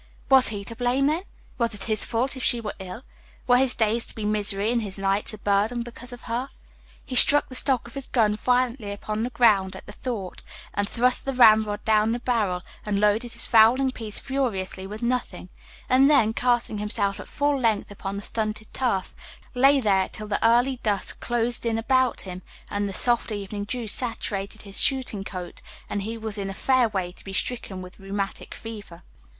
Was he to blame, then? Was it his fault if she were ill? Were his days to be misery, and his nights a burden, because of her? He struck the stock of his gun violently upon the ground at the thought, and thrust the ramrod down the barrel, and loaded his fowling piece furiously with nothing; and then, casting himself at full length upon the stunted turf, lay there till the early dusk closed in about him, and the soft evening dew saturated his shooting coat, and he was in a fair way to be stricken with rheumatic fever.